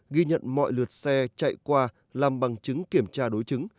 ghi nhận mọi lượt xe chạy qua làm bằng chứng kiểm tra đối chứng